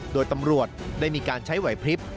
โดยตำรวจได้มีการใช้ไหวพลิบ